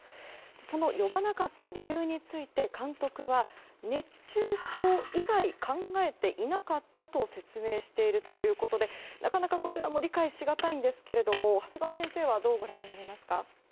その呼ばなかった理由について監督は熱中症以外考えていなかったと説明しているということでなかなかこちらも理解しがたいんですが長谷川先生はどうご覧になりますか？